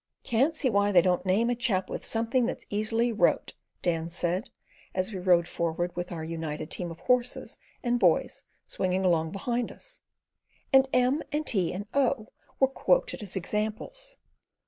"Can't see why they don't name a chap with something that's easily wrote," Dan said, as we rode forward, with our united team of horses and boys swinging along behind us, and M and T and O were quoted as examples.